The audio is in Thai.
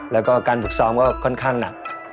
แล้วก็การฝึกซ้อมก็ค่อนข้างหนัก